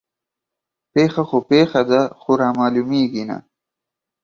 پيښه خو پيښه ده خو رامعلومېږي نه